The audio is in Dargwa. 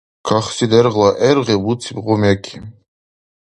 Кахси дергъла гӀергъи буциб Гъумеки.